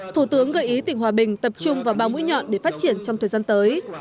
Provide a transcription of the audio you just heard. thủ tướng gợi ý tỉnh hòa bình tập trung vào ba mũi nhọn để phát triển trong thời gian tới